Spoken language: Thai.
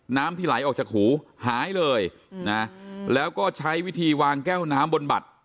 น้ำที่ไหลออกจากหูหายเลยนะแล้วก็ใช้วิธีวางแก้วน้ำบนบัตร